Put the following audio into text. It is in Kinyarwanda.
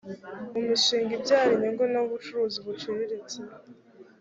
mumishinga ibyara inyungu no bucuruzi buciritse